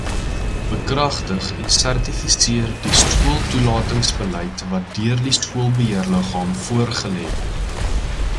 Bekragtig en sertifiseer die skooltoelatingsbeleid wat deur die Skoolbeheerliggaam voorgelê word.